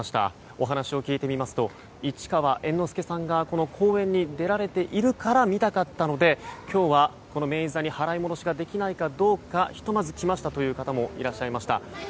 お話を聞いてみますと市川猿之助さんがこの公演に出られているから見たかったので今日はこの明治座に払い戻しができないかどうかひとまず来ましたという方もいらっしゃいました。